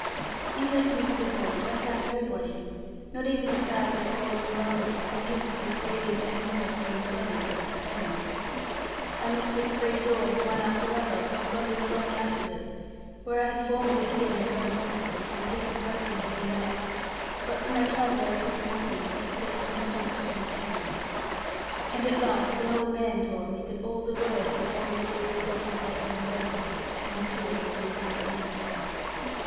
In Westminster Hall I found nobody; not even the crowd of crawling varlets, who used to be craving evermore for employment or for payment. I knocked at three doors, one after other, of lobbies going out of it, where I had formerly seen some officers and people pressing in and out, but for my trouble I took nothing, except some thumps from echo. And at last an old man told me that all the lawyers were gone to see the result of their own works, in the fields of Lincoln's Inn.